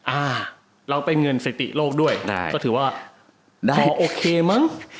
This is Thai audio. อ้าแล้วเป็นเงินสิทธิโลกด้วยก็ถือว่าพอโอเคมั้ง